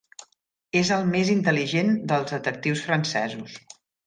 És el mes intel·ligent dels detectius francesos.